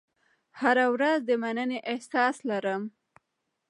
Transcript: هره ورځ د مننې احساس لرم.